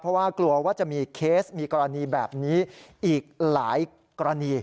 เพราะว่ากลัวว่าจะมีเคสมีกรณีแบบนี้อีกหลายกรณี